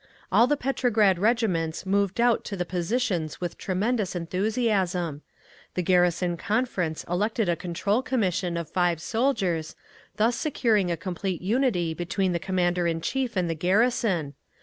All the Petrograd regiments moved out to the positions with tremendous enthusiasm. The Garrison Conference elected a Control Commission of five soldiers, thus securing a complete unity between the commander in chief and the garrison.